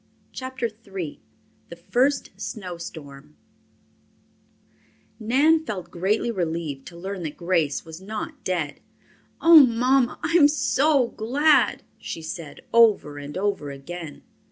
CHAPTER III THE FIRST SNOW STORM Nan felt greatly relieved to learn that Grace was not dead. "Oh, mamma, I am so glad!" she said, over and over again.